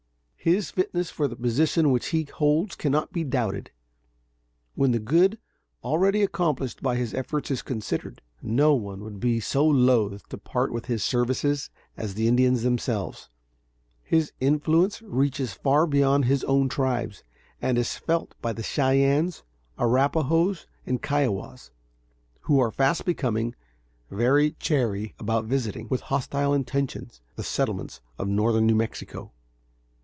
His fitness for the position which he holds cannot be doubted, when the good already accomplished by his efforts is considered. No one would be so loath to part with his services as the Indians themselves. His influence reaches far beyond his own tribes, and is felt by the Cheyennes, Arrapahoes, and Kiowas, who are fast becoming very chary about visiting, with hostile intentions, the settlements of northern New Mexico.